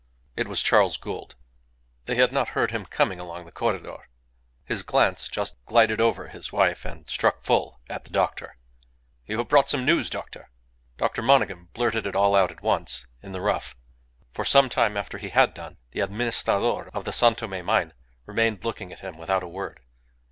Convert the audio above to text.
It was Charles Gould. They had not heard him coming along the corredor. His glance just glided over his wife and struck full at the doctor. "You have brought some news, doctor?" Dr. Monygham blurted it all out at once, in the rough. For some time after he had done, the Administrador of the San Tome mine remained looking at him without a word.